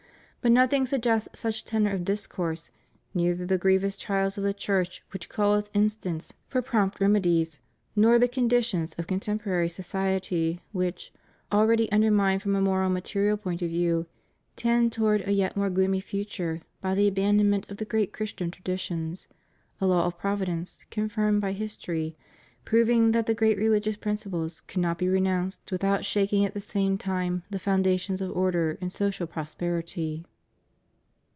But nothing suggests such tenor of discourse — neither the grievous trials of the Church which call with instance for prompt remedies; nor the conditions of con temporary society which, already undermined from a moral and material point of view, tend toward a yet more gloomy future by the abandonment of the great Christian traditions; a law of Providence, confirmed by history, proving that the great religious principles cannot be re nounced without shaking at the same time the founda tions of order and social prosperity.